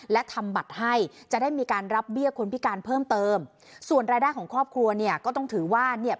และทำบัตรให้จะได้มีการรับเบี้ยคนพิการเพิ่มเติมส่วนรายได้ของครอบครัวเนี่ยก็ต้องถือว่าเนี่ย